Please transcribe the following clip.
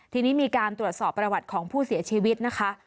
ทีนี้มีการตรวจสอบประวัติของผู้เสียชีวิตนะคะ